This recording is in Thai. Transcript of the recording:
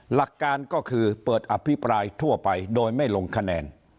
หลักการก็คือเปิดอภิปรายทั่วไปโดยไม่ลงคะแนน